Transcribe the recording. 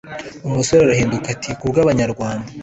umusore arahindukira ati"kubwa banyarwanda